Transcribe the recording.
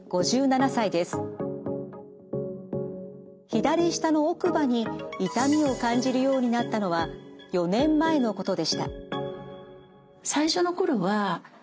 左下の奥歯に痛みを感じるようになったのは４年前のことでした。